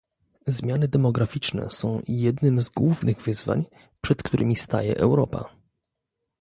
Zmiany demograficzne są jednym z głównych wyzwań, przed którymi staje Europa